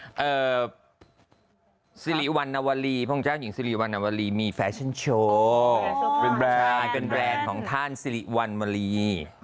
ตอบสรีวันนวลีพละก้ารหญิงสรีวันนวลีมีแฟชั่นโชว์เป็นแบรนด์ของท่านสรีวันนวลี